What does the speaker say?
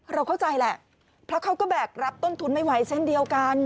เราเข้าใจแหละเพราะเขาก็แบกรับต้นทุนไม่ไหวเช่นเดียวกัน